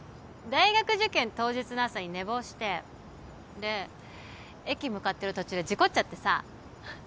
大学受験当日の朝に寝坊してで駅向かってる途中で事故っちゃってさあ